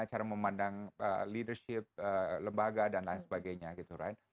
cara memandang leadership lembaga dan lain sebagainya gitu kan